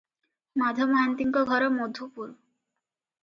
ମାଧ ମହାନ୍ତିଙ୍କ ଘର ମଧୁପୁର ।